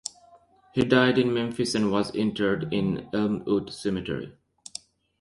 He died in Memphis and was interred in Elmwood Cemetery.